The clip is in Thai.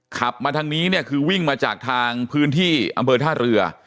ขับมาทางนี้เนี่ยคือวิ่งมาจากทางพื้นที่อำเภอท่าเรือ